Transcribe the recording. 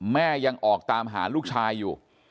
แม่ยังออกตามหาลูกชายอยู่